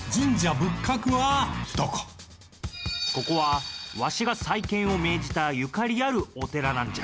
ここはわしが再建を命じたゆかりあるお寺なんじゃ。